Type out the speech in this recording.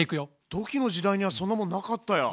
土器の時代にはそんなもんなかったよ。